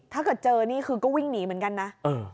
ถ้าเกิดเจอนี่คือก็วิ่งหนีเหมือนกันนะ